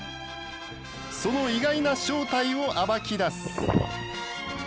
その意外な正体を暴き出す！